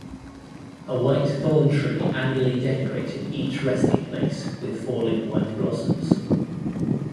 A white thorn tree annually decorated each resting place with falling white blossoms.